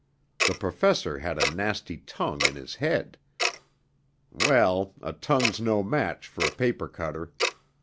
The professor had a nasty tongue in his head. Well, a tongue's no match for a paper cutter.